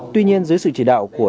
tuy nhiên dưới sự chỉ đạo của